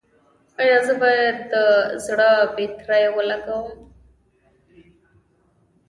ایا زه باید د زړه بطرۍ ولګوم؟